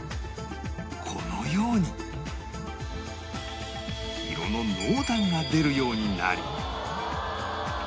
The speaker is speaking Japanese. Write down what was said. このように色の濃淡が出るようになる